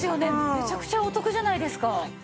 めちゃくちゃお得じゃないですか。